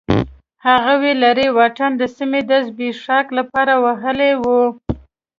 هغوی لرې واټن د سیمې د زبېښاک لپاره وهلی و.